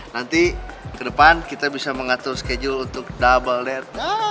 nanti ke depan kita bisa mengatur schedule untuk double dead